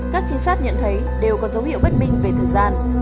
các trinh sát nhận thấy đều có dấu hiệu bất minh về thời gian